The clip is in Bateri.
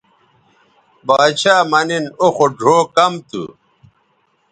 باڇھا مہ نِن او خو ڙھؤ کم تھو